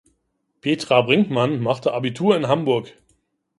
Petra Brinkmann machte Abitur in Hamburg.